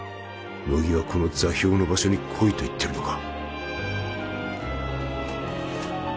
乃木はこの座標の場所に来いと言ってるのか？